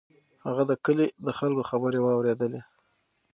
هغه د کلي د خلکو خبرې واورېدلې.